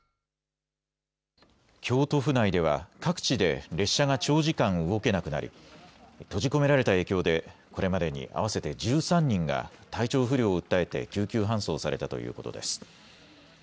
京都府内では各地で列車が長時間動けなくなり閉じ込められた影響でこれまでに合わせて１３人が体調不良を訴えて救急搬送されたということです。